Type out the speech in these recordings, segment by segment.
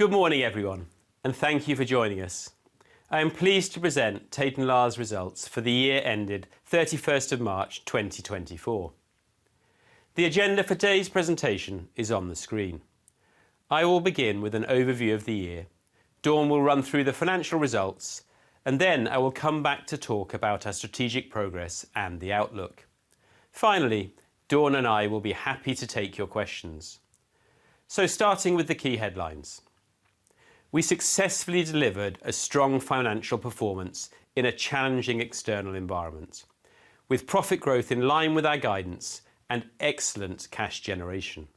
Good morning, everyone, and thank you for joining us. I am pleased to present Tate & Lyle's results for the year ended 31st of March, 2024. The agenda for today's presentation is on the screen. I will begin with an overview of the year. Dawn will run through the financial results, and then I will come back to talk about our strategic progress and the outlook. Finally, Dawn and I will be happy to take your questions. Starting with the key headlines, we successfully delivered a strong financial performance in a challenging external environment, with profit growth in line with our guidance and excellent cash generation.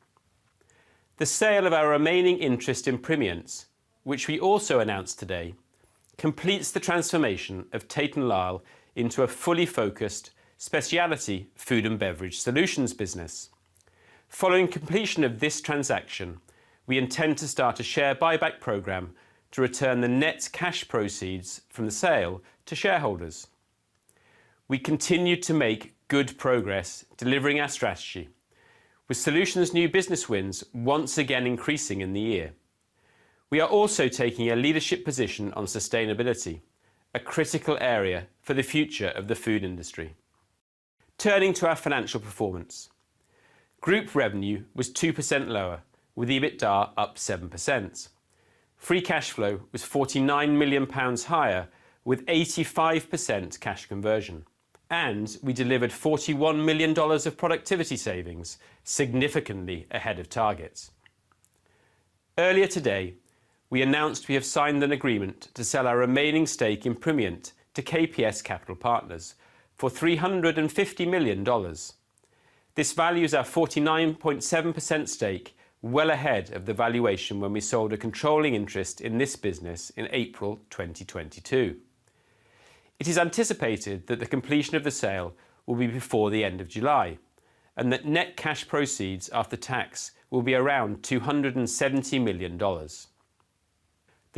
The sale of our remaining interest in Primient, which we also announced today, completes the transformation of Tate & Lyle into a fully focused specialty food and beverage solutions business. Following completion of this transaction, we intend to start a share buyback program to return the net cash proceeds from the sale to shareholders. We continued to make good progress delivering our strategy, with solutions new business wins once again increasing in the year. We are also taking a leadership position on sustainability, a critical area for the future of the food industry. Turning to our financial performance, group revenue was 2% lower, with EBITDA up 7%. Free cash flow was 49 million pounds higher, with 85% cash conversion, and we delivered $41 million of productivity savings, significantly ahead of target. Earlier today, we announced we have signed an agreement to sell our remaining stake in Primient to KPS Capital Partners for $350 million. This values our 49.7% stake well ahead of the valuation when we sold a controlling interest in this business in April 2022. It is anticipated that the completion of the sale will be before the end of July, and that net cash proceeds after tax will be around $270 million. The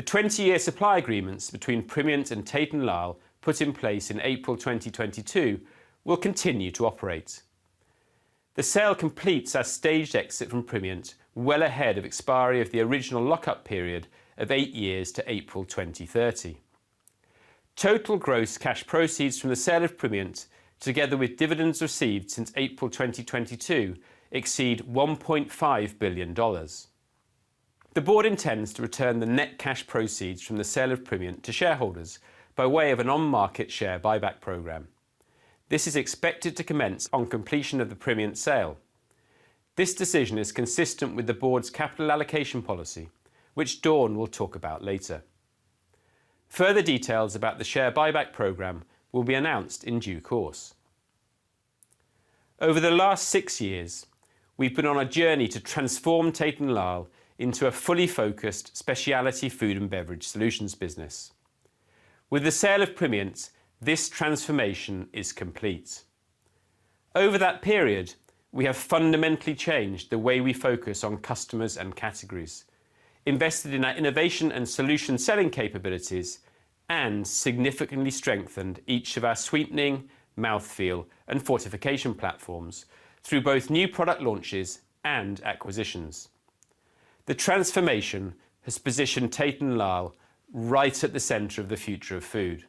20-year supply agreements between Primient and Tate & Lyle, put in place in April 2022, will continue to operate. The sale completes our staged exit from Primient, well ahead of expiry of the original lock-up period of eight years to April 2030. Total gross cash proceeds from the sale of Primient, together with dividends received since April 2022, exceed $1.5 billion. The board intends to return the net cash proceeds from the sale of Primient to shareholders by way of an on-market share buyback program. This is expected to commence on completion of the Primient sale. This decision is consistent with the board's capital allocation policy, which Dawn will talk about later. Further details about the share buyback program will be announced in due course. Over the last six years, we've been on a journey to transform Tate & Lyle into a fully focused specialty food and beverage solutions business. With the sale of Primient, this transformation is complete. Over that period, we have fundamentally changed the way we focus on customers and categories, invested in our innovation and solution selling capabilities, and significantly strengthened each of our sweetening, mouthfeel, and fortification platforms through both new product launches and acquisitions. The transformation has positioned Tate & Lyle right at the center of the future of food,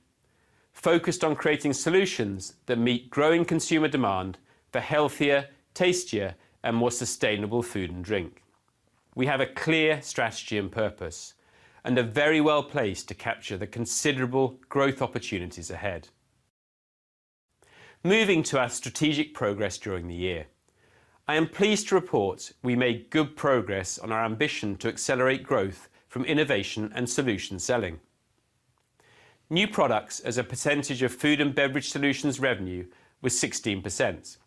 focused on creating solutions that meet growing consumer demand for healthier, tastier, and more sustainable food and drink. We have a clear strategy and purpose, and are very well-placed to capture the considerable growth opportunities ahead. Moving to our strategic progress during the year, I am pleased to report we made good progress on our ambition to accelerate growth from innovation and solution selling. New products as a percentage of Food & Beverage Solutions revenue was 16%,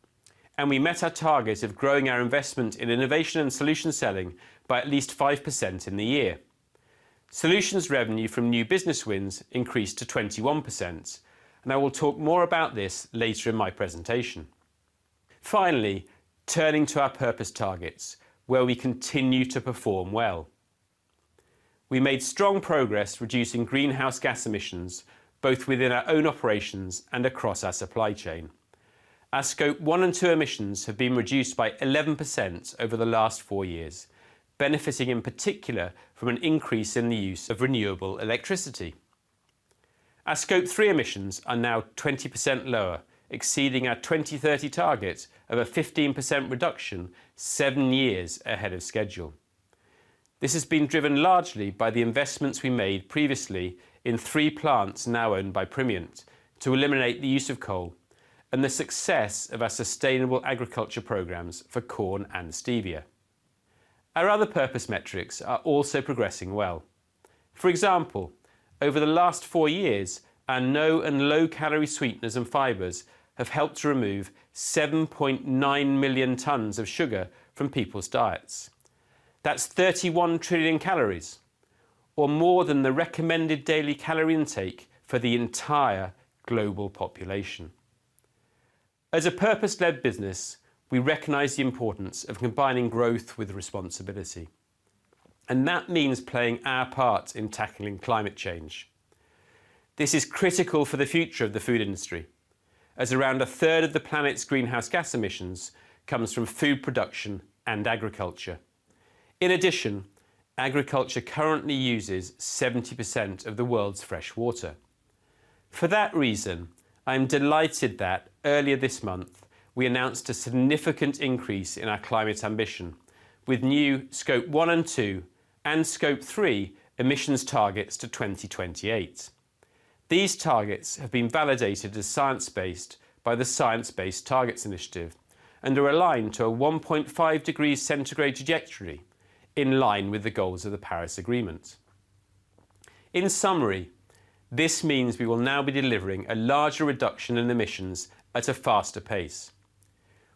and we met our target of growing our investment in innovation and solution selling by at least 5% in the year. Solutions revenue from new business wins increased to 21%, and I will talk more about this later in my presentation. Finally, turning to our purpose targets, where we continue to perform well. We made strong progress reducing greenhouse gas emissions, both within our own operations and across our supply chain. Our Scope 1 and 2 emissions have been reduced by 11% over the last four years, benefiting in particular from an increase in the use of renewable electricity. Our Scope 3 emissions are now 20% lower, exceeding our 2030 target of a 15% reduction, seven years ahead of schedule. This has been driven largely by the investments we made previously in three plants now owned by Primient to eliminate the use of coal and the success of our sustainable agriculture programs for corn and stevia. Our other purpose metrics are also progressing well. For example, over the last four years, our no and low-calorie sweeteners and fibers have helped to remove 7.9 million tons of sugar from people's diets. That's 31 trillion calories, or more than the recommended daily calorie intake for the entire global population. As a purpose-led business, we recognize the importance of combining growth with responsibility, and that means playing our part in tackling climate change. This is critical for the future of the food industry, as around a third of the planet's greenhouse gas emissions comes from food production and agriculture. In addition, agriculture currently uses 70% of the world's fresh water. For that reason, I'm delighted that earlier this month, we announced a significant increase in our climate ambition, with new Scope 1 and 2, and Scope 3 emissions targets to 2028. These targets have been validated as science-based by the Science-Based Targets Initiative, and are aligned to a 1.5 degrees centigrade trajectory, in line with the goals of the Paris Agreement. In summary, this means we will now be delivering a larger reduction in emissions at a faster pace.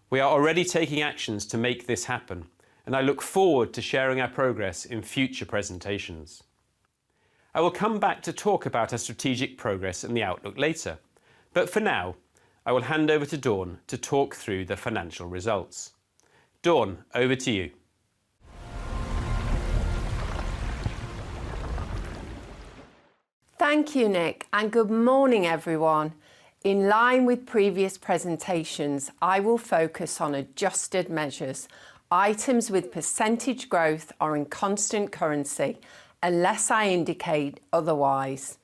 We are already taking actions to make this happen, and I look forward to sharing our progress in future presentations. I will come back to talk about our strategic progress and the outlook later, but for now, I will hand over to Dawn to talk through the financial results. Dawn, over to you. Thank you, Nick, and good morning, everyone. In line with previous presentations, I will focus on adjusted measures. Items with percentage growth are in constant currency, unless I indicate otherwise.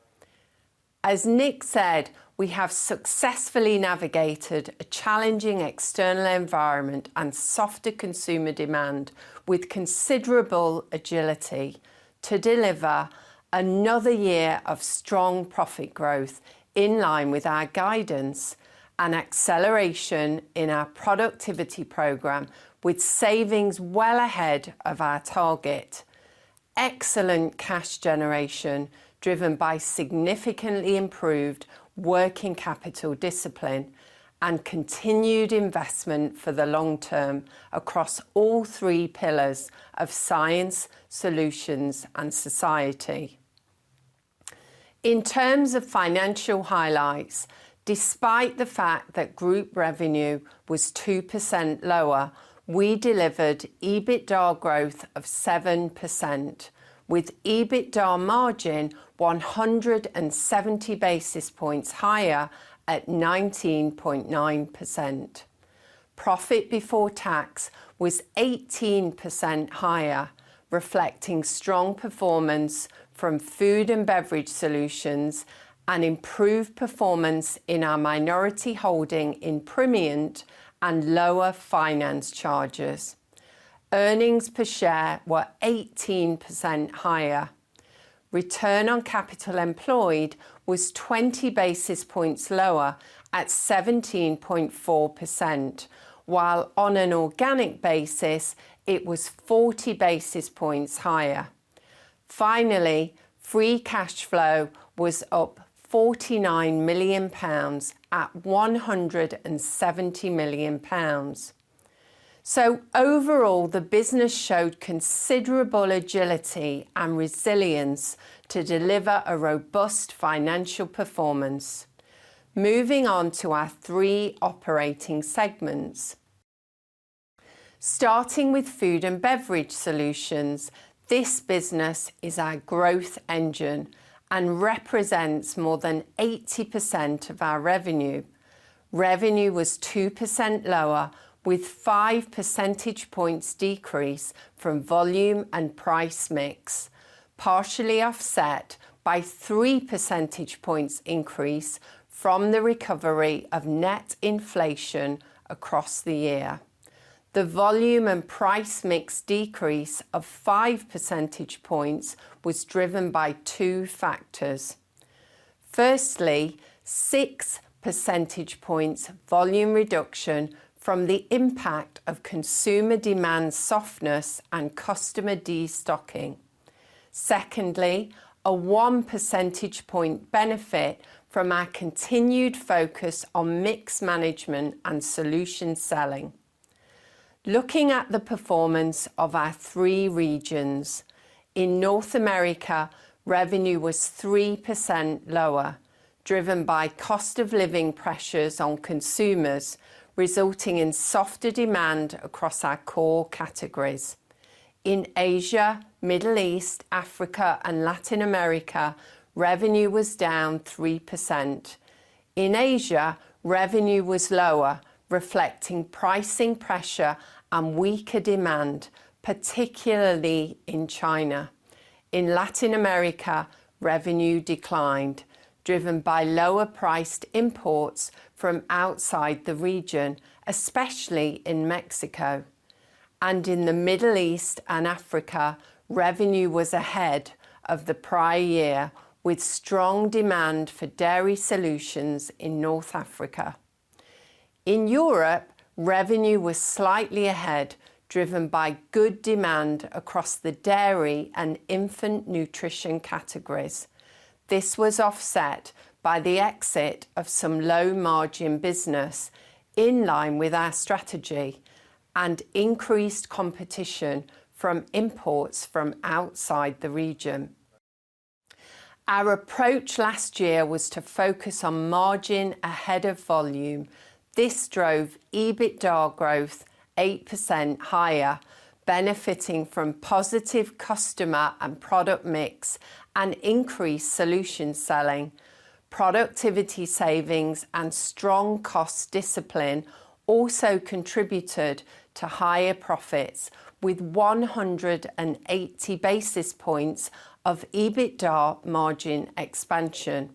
As Nick said, we have successfully navigated a challenging external environment and softer consumer demand with considerable agility to deliver another year of strong profit growth, in line with our guidance and acceleration in our productivity program, with savings well ahead of our target. Excellent cash generation, driven by significantly improved working capital discipline, and continued investment for the long term across all three pillars of science, solutions, and society. In terms of financial highlights, despite the fact that group revenue was 2% lower, we delivered EBITDA growth of 7%, with EBITDA margin 170 basis points higher at 19.9%. Profit before tax was 18% higher, reflecting strong performance from food and beverage solutions and improved performance in our minority holding in Primient and lower finance charges. Earnings per share were 18% higher. Return on capital employed was 20 basis points lower at 17.4%, while on an organic basis, it was 40 basis points higher. Finally, free cash flow was up 49 million pounds, at 170 million pounds. So overall, the business showed considerable agility and resilience to deliver a robust financial performance. Moving on to our three operating segments. Starting with food and beverage solutions, this business is our growth engine and represents more than 80% of our revenue. Revenue was 2% lower, with 5 percentage points decrease from volume and price mix, partially offset by 3 percentage points increase from the recovery of net inflation across the year. The volume and price mix decrease of 5 percentage points was driven by two factors: firstly, 6 percentage points volume reduction from the impact of consumer demand softness and customer destocking. Secondly, a 1 percentage point benefit from our continued focus on mix management and solution selling. Looking at the performance of our three regions, in North America, revenue was 3% lower, driven by cost-of-living pressures on consumers, resulting in softer demand across our core categories. In Asia, Middle East, Africa, and Latin America, revenue was down 3%. In Asia, revenue was lower, reflecting pricing pressure and weaker demand, particularly in China. In Latin America, revenue declined, driven by lower-priced imports from outside the region, especially in Mexico. In the Middle East and Africa, revenue was ahead of the prior year, with strong demand for dairy solutions in North Africa. In Europe, revenue was slightly ahead, driven by good demand across the dairy and infant nutrition categories. This was offset by the exit of some low-margin business, in line with our strategy, and increased competition from imports from outside the region. Our approach last year was to focus on margin ahead of volume. This drove EBITDA growth 8% higher, benefiting from positive customer and product mix and increased solution selling. Productivity savings and strong cost discipline also contributed to higher profits, with 180 basis points of EBITDA margin expansion.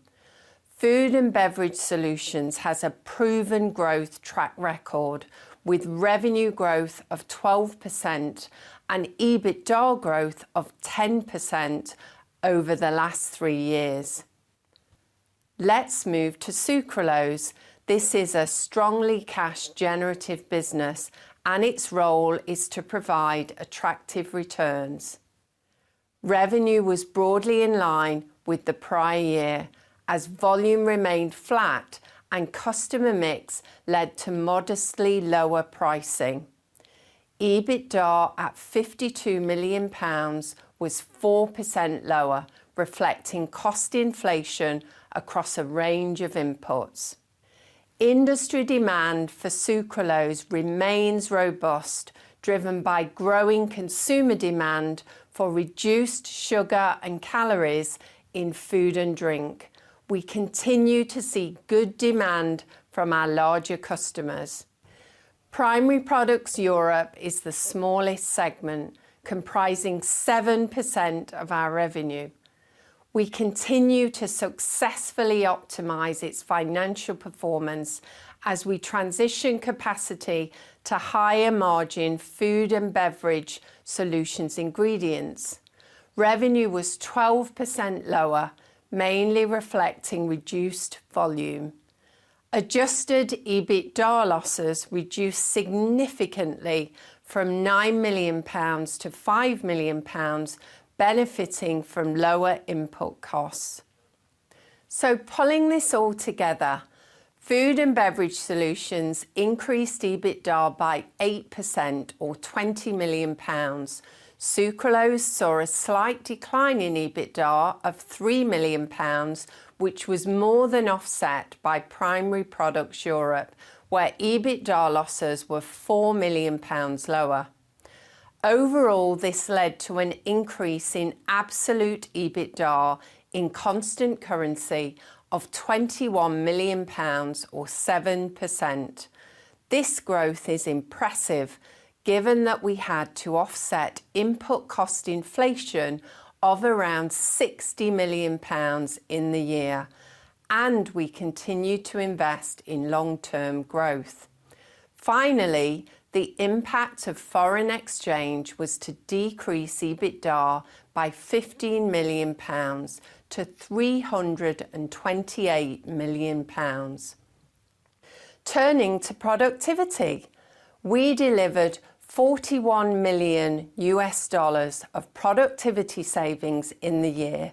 Food and Beverage Solutions has a proven growth track record, with revenue growth of 12% and EBITDA growth of 10% over the last three years. Let's move to Sucralose. This is a strongly cash-generative business, and its role is to provide attractive returns. Revenue was broadly in line with the prior year, as volume remained flat and customer mix led to modestly lower pricing. EBITDA at 52 million pounds was 4% lower, reflecting cost inflation across a range of inputs. Industry demand for sucralose remains robust, driven by growing consumer demand for reduced sugar and calories in food and drink. We continue to see good demand from our larger customers. Primary Products Europe is the smallest segment, comprising 7% of our revenue. We continue to successfully optimize its financial performance as we transition capacity to higher-margin food and beverage solutions ingredients. Revenue was 12% lower, mainly reflecting reduced volume. Adjusted EBITDA losses reduced significantly from 9 million pounds to 5 million pounds, benefiting from lower input costs. So pulling this all together, food and beverage solutions increased EBITDA by 8%, or 20 million pounds. Sucralose saw a slight decline in EBITDA of 3 million pounds, which was more than offset by Primary Products Europe, where EBITDA losses were 4 million pounds lower. Overall, this led to an increase in absolute EBITDA in constant currency of 21 million pounds, or 7%. This growth is impressive given that we had to offset input cost inflation of around 60 million pounds in the year, and we continued to invest in long-term growth. Finally, the impact of foreign exchange was to decrease EBITDA by 15 million pounds to 328 million pounds. Turning to productivity, we delivered $41 million of productivity savings in the year,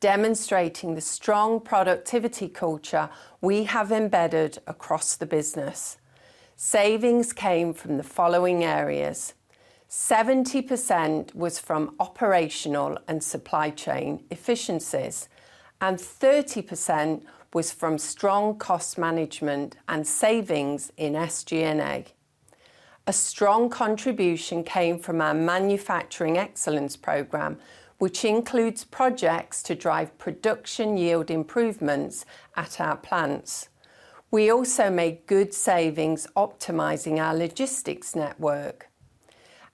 demonstrating the strong productivity culture we have embedded across the business. Savings came from the following areas: 70% was from operational and supply chain efficiencies, and 30% was from strong cost management and savings in SG&A. A strong contribution came from our manufacturing excellence program, which includes projects to drive production yield improvements at our plants. We also made good savings optimizing our logistics network.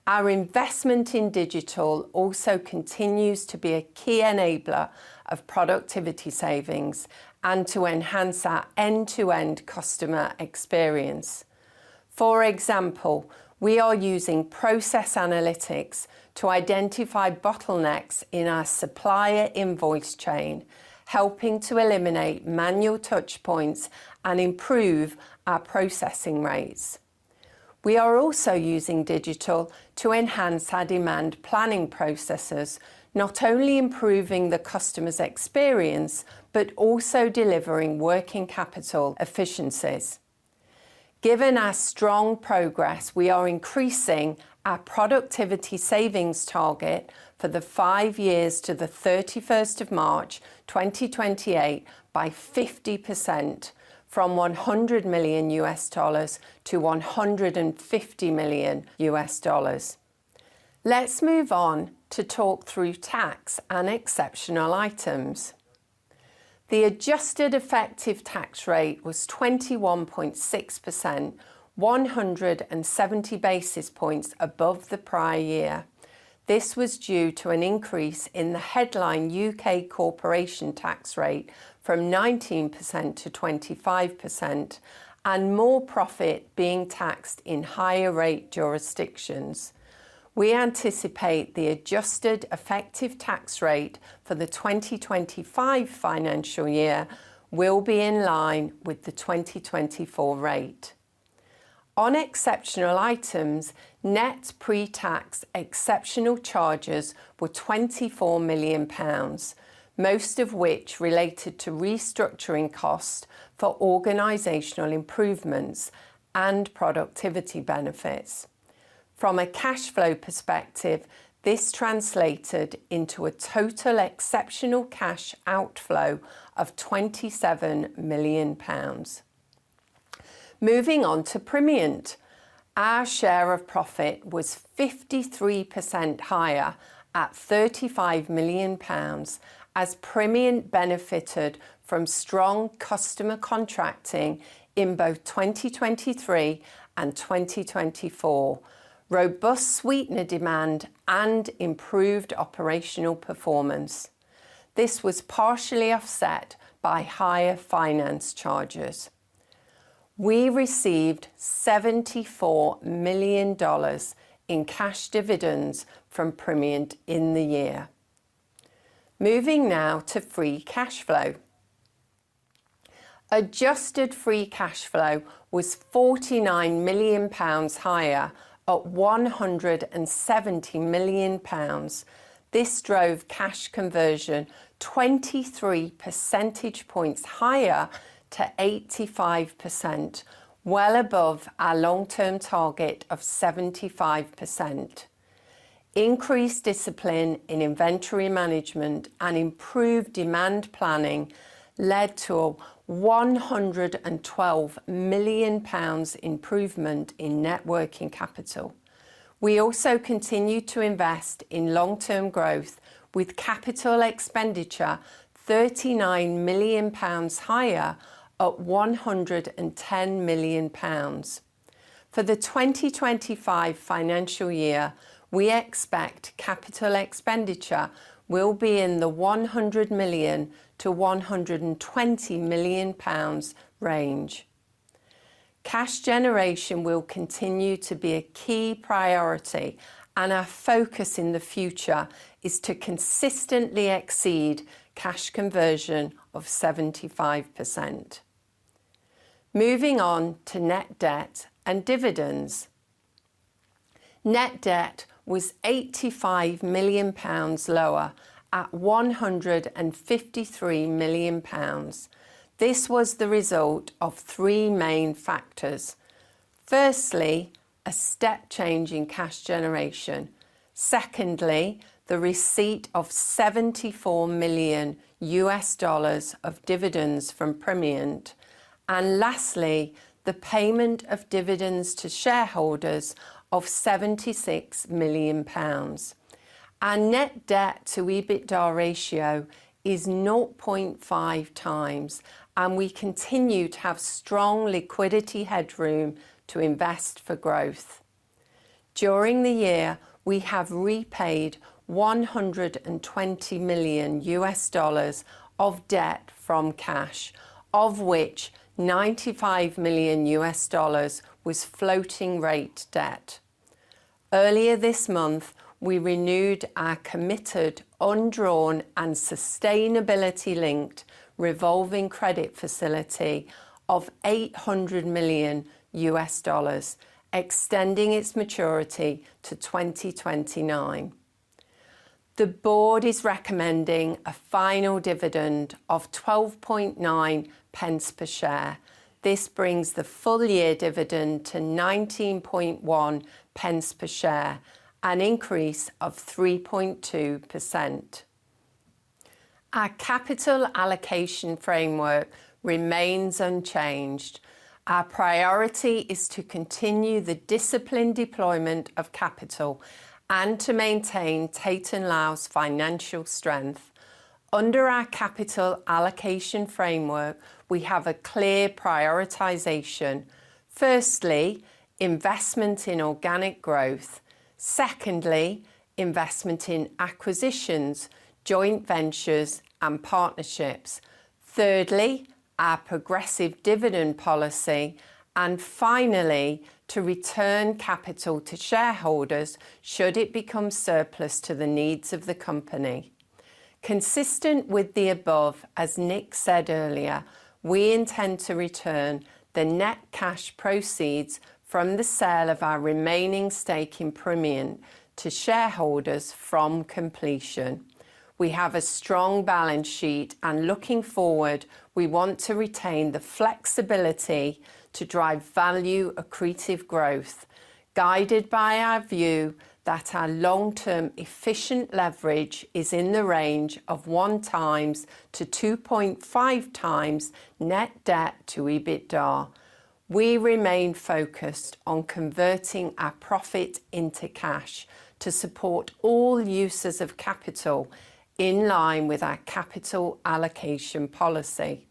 Our investment in digital also continues to be a key enabler of productivity savings and to enhance our end-to-end customer experience. For example, we are using process analytics to identify bottlenecks in our supplier invoice chain, helping to eliminate manual touchpoints and improve our processing rates. We are also using digital to enhance our demand planning processes, not only improving the customer's experience, but also delivering working capital efficiencies. Given our strong progress, we are increasing our productivity savings target for the five years to the 31st of March, 2028, by 50%, from $100 million to $150 million. Let's move on to talk through tax and exceptional items. The adjusted effective tax rate was 21.6%, 170 basis points above the prior year. This was due to an increase in the headline U.K. corporation tax rate from 19% to 25% and more profit being taxed in higher-rate jurisdictions. We anticipate the adjusted effective tax rate for the 2025 financial year will be in line with the 2024 rate. On exceptional items, net pre-tax exceptional charges were 24 million pounds, most of which related to restructuring costs for organizational improvements and productivity benefits. From a cash flow perspective, this translated into a total exceptional cash outflow of 27 million pounds. Moving on to Primient. Our share of profit was 53% higher at 35 million pounds, as Primient benefited from strong customer contracting in both 2023 and 2024, robust sweetener demand, and improved operational performance. This was partially offset by higher finance charges. We received $74 million in cash dividends from Primient in the year. Moving now to free cash flow. Adjusted free cash flow was 49 million pounds higher, at 170 million pounds. This drove cash conversion 23 percentage points higher to 85%, well above our long-term target of 75%. Increased discipline in inventory management and improved demand planning led to a 112 million pounds improvement in net working capital. We also continued to invest in long-term growth, with capital expenditure 39 million pounds higher at 110 million pounds. For the 2025 financial year, we expect capital expenditure will be in the 100 million-120 million pounds range. Cash generation will continue to be a key priority, and our focus in the future is to consistently exceed cash conversion of 75%. Moving on to net debt and dividends. Net debt was 85 million pounds lower at 153 million pounds. This was the result of three main factors. Firstly, a step change in cash generation. Secondly, the receipt of $74 million of dividends from Primient. And lastly, the payment of dividends to shareholders of 76 million pounds. Our net debt to EBITDA ratio is 0.5x, and we continue to have strong liquidity headroom to invest for growth. During the year, we have repaid $120 million of debt from cash, of which $95 million was floating rate debt. Earlier this month, we renewed our committed undrawn and sustainability-linked revolving credit facility of $800 million, extending its maturity to 2029. The board is recommending a final dividend of 12.9 per share. This brings the full-year dividend to 19.1 per share, an increase of 3.2%. Our capital allocation framework remains unchanged. Our priority is to continue the disciplined deployment of capital and to maintain Tate & Lyle's financial strength. Under our capital allocation framework, we have a clear prioritization. Firstly, investment in organic growth. Secondly, investment in acquisitions, joint ventures, and partnerships. Thirdly, our progressive dividend policy. And finally, to return capital to shareholders should it become surplus to the needs of the company. Consistent with the above, as Nick said earlier, we intend to return the net cash proceeds from the sale of our remaining stake in Primient to shareholders from completion. We have a strong balance sheet, and looking forward, we want to retain the flexibility to drive value-accretive growth, guided by our view that our long-term efficient leverage is in the range of 1x-2.5x net debt to EBITDA. We remain focused on converting our profit into cash to support all uses of capital in line with our capital allocation policy.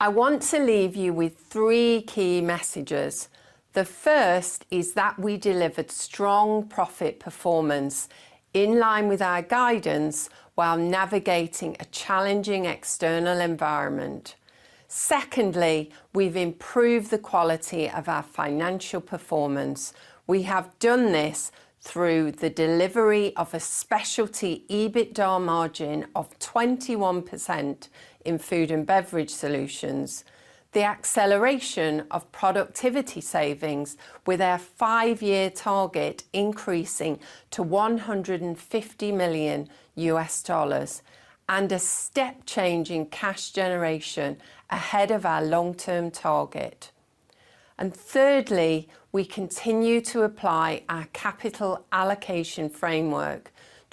I want to leave you with three key messages. The first is that we delivered strong profit performance in line with our guidance while navigating a challenging external environment. Secondly, we've improved the quality of our financial performance. We have done this through the delivery of a specialty EBITDA margin of 21% in food and beverage solutions, the acceleration of productivity savings with our five-year target increasing to $150 million, and a step change in cash generation ahead of our long-term target... and thirdly, we continue to apply our capital allocation framework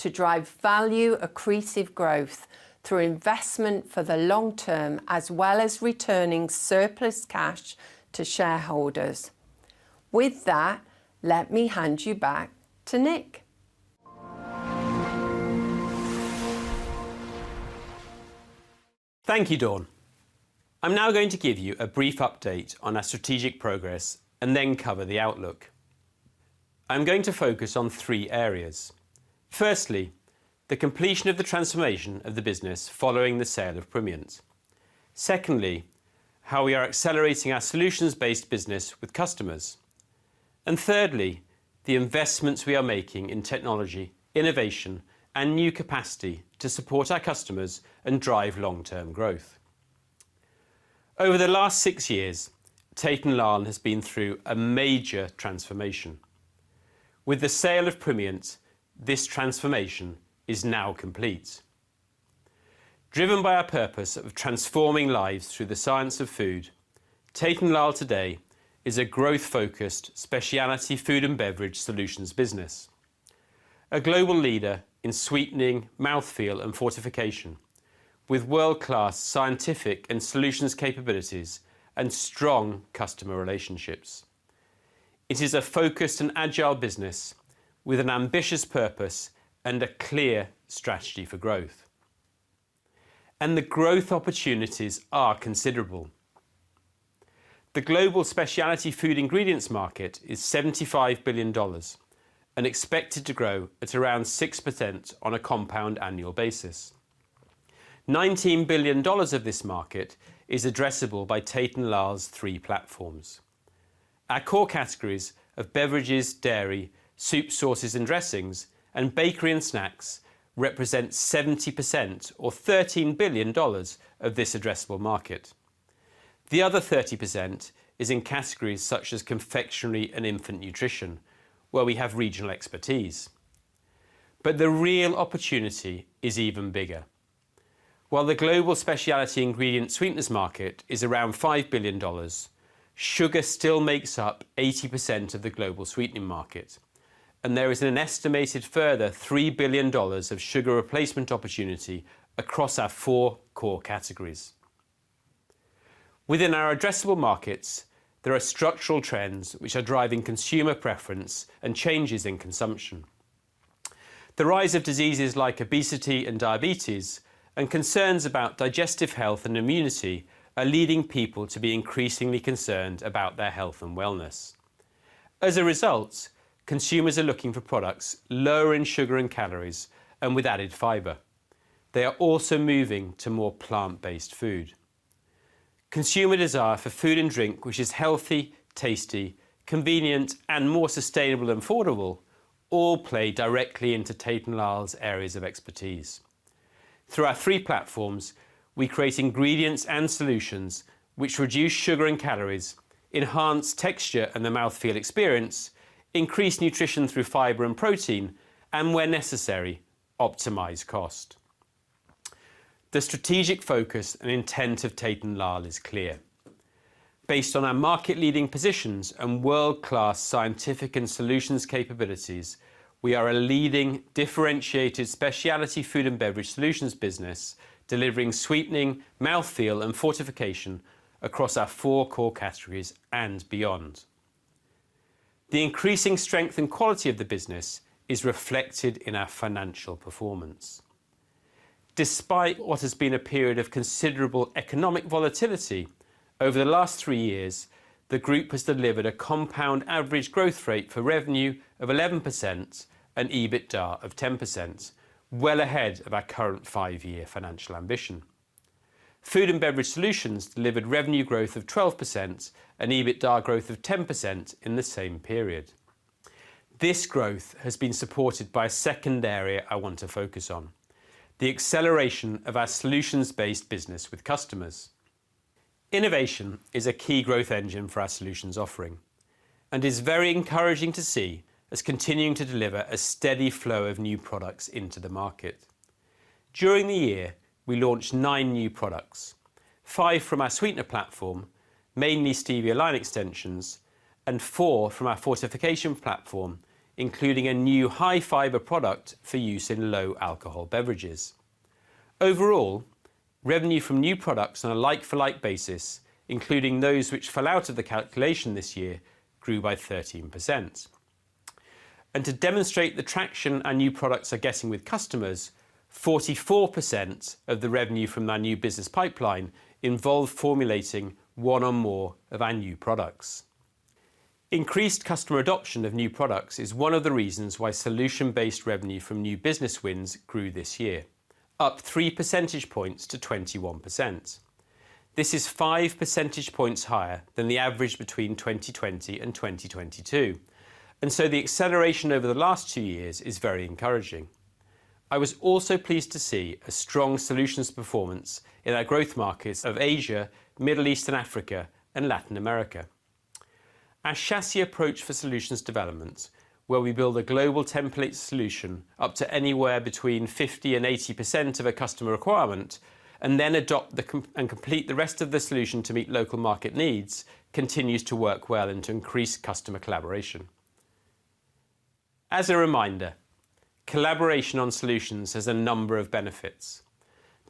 to drive value accretive growth through investment for the long term, as well as returning surplus cash to shareholders. With that, let me hand you back to Nick. Thank you, Dawn. I'm now going to give you a brief update on our strategic progress and then cover the outlook. I'm going to focus on three areas: firstly, the completion of the transformation of the business following the sale of Primient. Secondly, how we are accelerating our solutions-based business with customers. And thirdly, the investments we are making in technology, innovation, and new capacity to support our customers and drive long-term growth. Over the last six years, Tate & Lyle has been through a major transformation. With the sale of Primient, this transformation is now complete. Driven by our purpose of transforming lives through the science of food, Tate & Lyle today is a growth-focused specialty food and beverage solutions business, a global leader in sweetening, mouthfeel, and fortification, with world-class scientific and solutions capabilities and strong customer relationships. It is a focused and agile business with an ambitious purpose and a clear strategy for growth, and the growth opportunities are considerable. The global specialty food ingredients market is $75 billion and expected to grow at around 6% on a compound annual basis. $19 billion of this market is addressable by Tate & Lyle's three platforms. Our core categories of beverages, dairy, soup, sauces, and dressings, and bakery and snacks represent 70%, or $13 billion, of this addressable market. The other 30% is in categories such as confectionery and infant nutrition, where we have regional expertise. But the real opportunity is even bigger. While the global specialty ingredient sweeteners market is around $5 billion, sugar still makes up 80% of the global sweetening market, and there is an estimated further $3 billion of sugar replacement opportunity across our four core categories. Within our addressable markets, there are structural trends which are driving consumer preference and changes in consumption. The rise of diseases like obesity and diabetes and concerns about digestive health and immunity are leading people to be increasingly concerned about their health and wellness. As a result, consumers are looking for products lower in sugar and calories and with added fiber. They are also moving to more plant-based food. Consumer desire for food and drink which is healthy, tasty, convenient, and more sustainable and affordable all play directly into Tate & Lyle's areas of expertise. Through our three platforms, we create ingredients and solutions which reduce sugar and calories, enhance texture and the mouthfeel experience, increase nutrition through fiber and protein, and where necessary, optimize cost. The strategic focus and intent of Tate & Lyle is clear. Based on our market-leading positions and world-class scientific and solutions capabilities, we are a leading, differentiated specialty food and beverage solutions business, delivering sweetening, mouthfeel, and fortification across our four core categories and beyond. The increasing strength and quality of the business is reflected in our financial performance. Despite what has been a period of considerable economic volatility over the last three years, the group has delivered a compound average growth rate for revenue of 11% and EBITDA of 10%, well ahead of our current five-year financial ambition. Food and beverage solutions delivered revenue growth of 12% and EBITDA growth of 10% in the same period. This growth has been supported by a second area I want to focus on, the acceleration of our solutions-based business with customers. Innovation is a key growth engine for our solutions offering and is very encouraging to see as continuing to deliver a steady flow of new products into the market. During the year, we launched nine new products, five from our sweetener platform, mainly Stevia line extensions, and four from our fortification platform, including a new high-fiber product for use in low-alcohol beverages. Overall, revenue from new products on a like-for-like basis, including those which fell out of the calculation this year, grew by 13%. To demonstrate the traction our new products are getting with customers, 44% of the revenue from our new business pipeline involved formulating one or more of our new products. Increased customer adoption of new products is one of the reasons why solution-based revenue from new business wins grew this year, up 3 percentage points to 21%. This is 5 percentage points higher than the average between 2020 and 2022, and so the acceleration over the last two years is very encouraging. I was also pleased to see a strong solutions performance in our growth markets of Asia, Middle East and Africa, and Latin America.... Our chassis approach for solutions development, where we build a global template solution up to anywhere between 50%-80% of a customer requirement, and then and complete the rest of the solution to meet local market needs, continues to work well and to increase customer collaboration. As a reminder, collaboration on solutions has a number of benefits.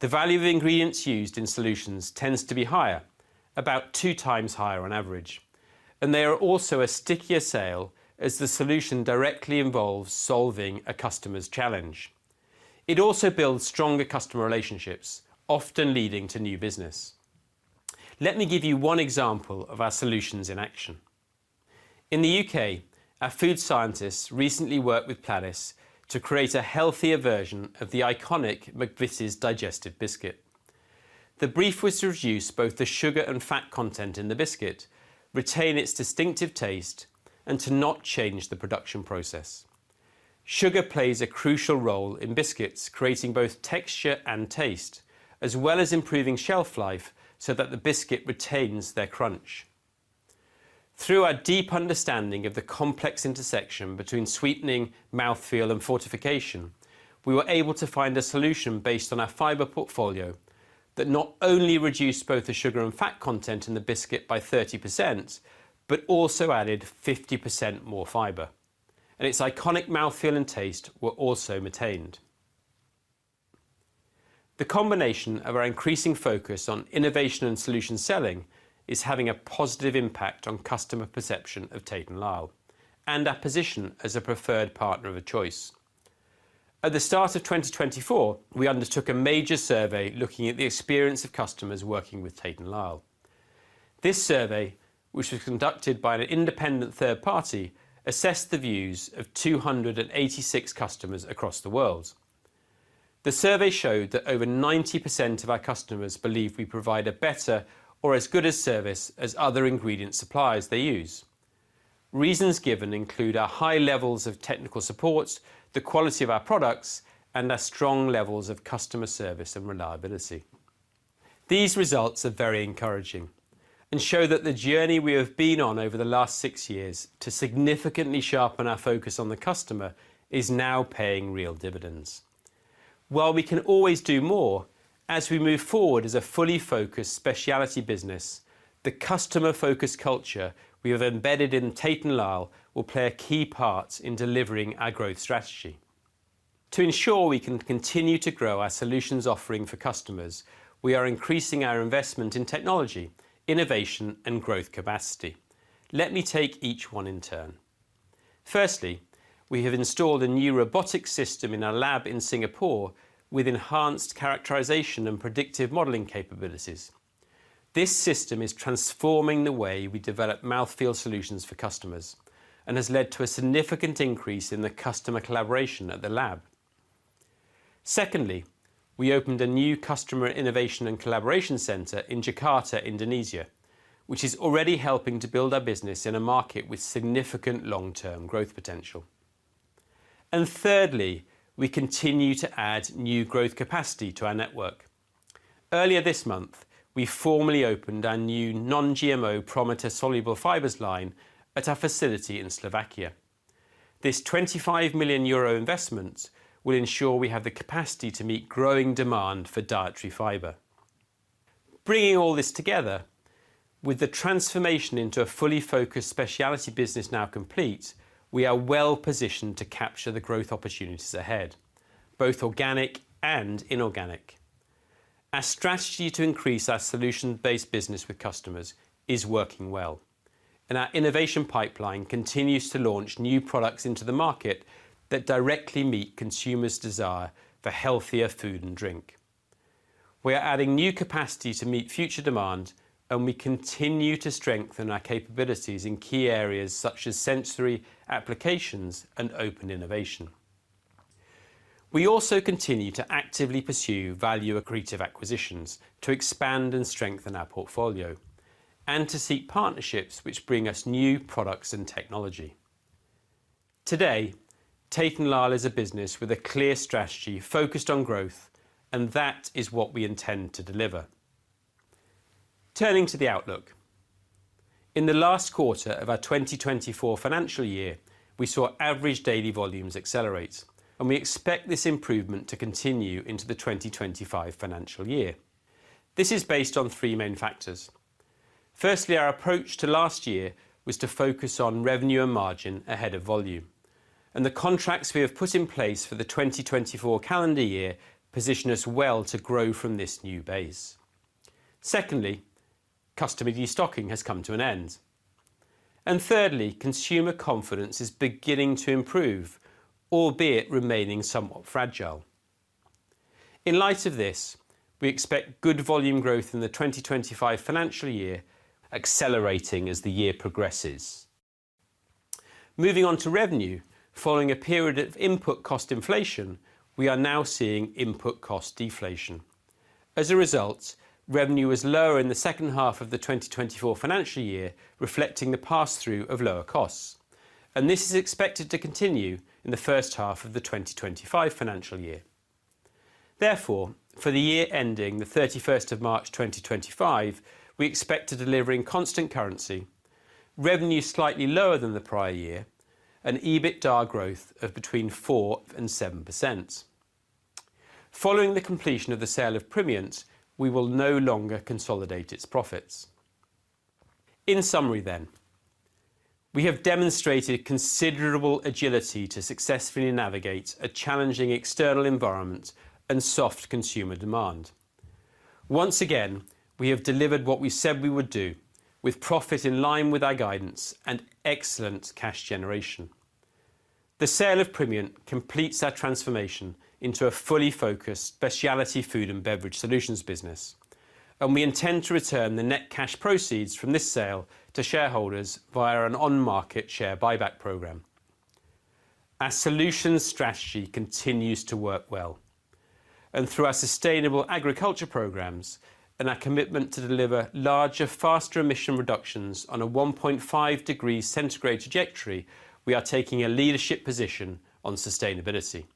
The value of the ingredients used in solutions tends to be higher, about two times higher on average, and they are also a stickier sale as the solution directly involves solving a customer's challenge. It also builds stronger customer relationships, often leading to new business. Let me give you one example of our solutions in action. In the UK, our food scientists recently worked with McVitie's to create a healthier version of the iconic McVitie's Digestive biscuit. The brief was to reduce both the sugar and fat content in the biscuit, retain its distinctive taste, and to not change the production process. Sugar plays a crucial role in biscuits, creating both texture and taste, as well as improving shelf life so that the biscuit retains their crunch. Through our deep understanding of the complex intersection between sweetening, mouthfeel, and fortification, we were able to find a solution based on our fiber portfolio that not only reduced both the sugar and fat content in the biscuit by 30%, but also added 50% more fiber, and its iconic mouthfeel and taste were also maintained. The combination of our increasing focus on innovation and solution selling is having a positive impact on customer perception of Tate & Lyle and our position as a preferred partner of choice. At the start of 2024, we undertook a major survey looking at the experience of customers working with Tate & Lyle. This survey, which was conducted by an independent third party, assessed the views of 286 customers across the world. The survey showed that over 90% of our customers believe we provide a better or as good a service as other ingredient suppliers they use. Reasons given include our high levels of technical support, the quality of our products, and our strong levels of customer service and reliability. These results are very encouraging and show that the journey we have been on over the last six years to significantly sharpen our focus on the customer is now paying real dividends. While we can always do more, as we move forward as a fully focused specialty business, the customer-focused culture we have embedded in Tate & Lyle will play a key part in delivering our growth strategy. To ensure we can continue to grow our solutions offering for customers, we are increasing our investment in technology, innovation, and growth capacity. Let me take each one in turn. Firstly, we have installed a new robotic system in our lab in Singapore with enhanced characterization and predictive modeling capabilities. This system is transforming the way we develop mouthfeel solutions for customers and has led to a significant increase in the customer collaboration at the lab. Secondly, we opened a new customer innovation and collaboration center in Jakarta, Indonesia, which is already helping to build our business in a market with significant long-term growth potential. And thirdly, we continue to add new growth capacity to our network. Earlier this month, we formally opened our new non-GMO PROMITOR soluble fibers line at our facility in Slovakia. This 25 million euro investment will ensure we have the capacity to meet growing demand for dietary fiber. Bringing all this together, with the transformation into a fully focused specialty business now complete, we are well-positioned to capture the growth opportunities ahead, both organic and inorganic. Our strategy to increase our solution-based business with customers is working well, and our innovation pipeline continues to launch new products into the market that directly meet consumers' desire for healthier food and drink. We are adding new capacity to meet future demand, and we continue to strengthen our capabilities in key areas such as sensory, applications, and open innovation. We also continue to actively pursue value-accretive acquisitions to expand and strengthen our portfolio and to seek partnerships which bring us new products and technology. Today, Tate & Lyle is a business with a clear strategy focused on growth, and that is what we intend to deliver. Turning to the outlook, in the last quarter of our 2024 financial year, we saw average daily volumes accelerate, and we expect this improvement to continue into the 2025 financial year. This is based on three main factors. Firstly, our approach to last year was to focus on revenue and margin ahead of volume, and the contracts we have put in place for the 2024 calendar year position us well to grow from this new base. Secondly, customer destocking has come to an end. And thirdly, consumer confidence is beginning to improve, albeit remaining somewhat fragile. In light of this, we expect good volume growth in the 2025 financial year, accelerating as the year progresses. Moving on to revenue, following a period of input cost inflation, we are now seeing input cost deflation. As a result, revenue is lower in the second half of the 2024 financial year, reflecting the pass-through of lower costs, and this is expected to continue in the first half of the 2025 financial year. Therefore, for the year ending 31st of March, 2025, we expect to deliver in constant currency, revenue slightly lower than the prior year, and EBITDA growth of between 4% and 7%. Following the completion of the sale of Primient, we will no longer consolidate its profits. In summary then, we have demonstrated considerable agility to successfully navigate a challenging external environment and soft consumer demand. Once again, we have delivered what we said we would do with profit in line with our guidance and excellent cash generation. The sale of Primient completes our transformation into a fully focused specialty food and beverage solutions business, and we intend to return the net cash proceeds from this sale to shareholders via an on-market share buyback program. Our solutions strategy continues to work well, and through our sustainable agriculture programs and our commitment to deliver larger, faster emission reductions on a 1.5 degree centigrade trajectory, we are taking a leadership position on sustainability.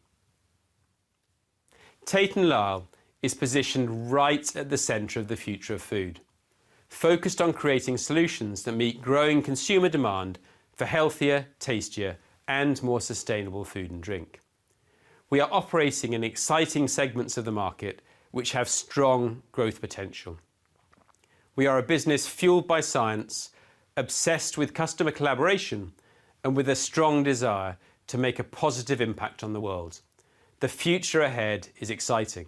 Tate & Lyle is positioned right at the center of the future of food, focused on creating solutions that meet growing consumer demand for healthier, tastier, and more sustainable food and drink. We are operating in exciting segments of the market, which have strong growth potential. We are a business fueled by science, obsessed with customer collaboration, and with a strong desire to make a positive impact on the world. The future ahead is exciting!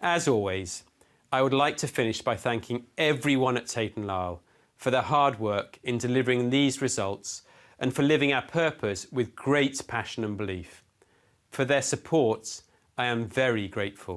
As always, I would like to finish by thanking everyone at Tate & Lyle for their hard work in delivering these results and for living our purpose with great passion and belief. For their support, I am very grateful.